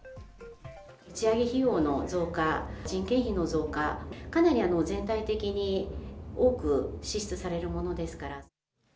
打ち上げ費用の増加、人件費の増加、かなり全体的に多く支出されるものですから。